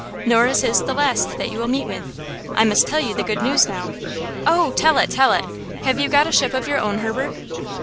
"Nor is his the last that you will meet with. I must tell you the good news now." "Oh tell it, tell it! Have you got a ship of your own, Herbert?"